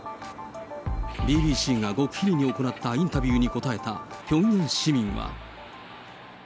ＢＢＣが極秘裏に行ったインタビューに答えたピョンヤン市民は。